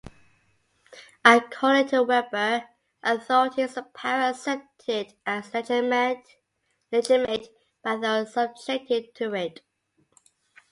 According to Weber, authority is power accepted as legitimate by those subjected to it.